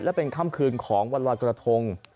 และเป็นค่ำคืนของวันรอยกระทง